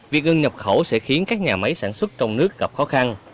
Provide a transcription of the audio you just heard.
việc ngừng nhập khẩu sẽ khiến các nhà máy sản xuất trong nước gặp khó khăn